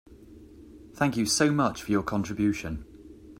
Thank you so much for your contribution.